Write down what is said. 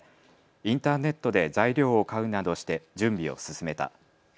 インターネットで材料を買うなどして準備を進めた。